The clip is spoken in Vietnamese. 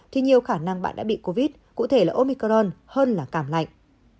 thì nhiều khả năng bạn đã bị covid cụ thể là omicron hơn là cảm lạnh